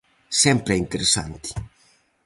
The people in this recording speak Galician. Sempre é interesante.